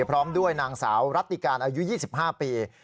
พร้อมด้วยนางสาวรัติการอายุ๒๕ปี